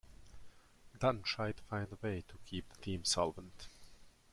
Dunn tried to find a way to keep the team solvent.